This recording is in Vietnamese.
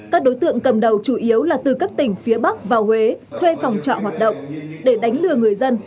các đối tượng cầm đầu chủ yếu là từ các tỉnh phía bắc vào huế thuê phòng trọ hoạt động để đánh lừa người dân